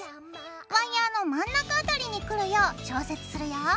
ワイヤーの真ん中辺りにくるよう調節するよ。